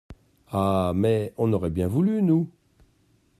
Ah mais, on aurait bien voulu, nous.